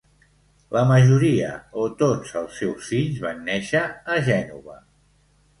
La majoria o tots els seus fills van néixer a Gènova.